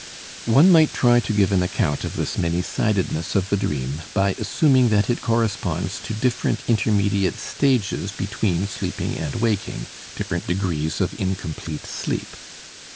One might try to give an account of this many sidedness of the dream by assuming that it corresponds to different intermediate stages between sleeping and waking, different degrees of incomplete sleep.